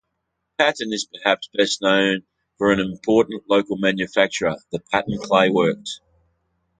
Patton is perhaps best known for an important local manufacturer, the Patton Clay Works.